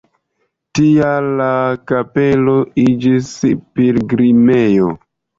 Tial la kapelo iĝis pilgrimejo.